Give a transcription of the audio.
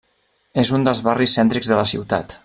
És un dels barris cèntrics de la ciutat.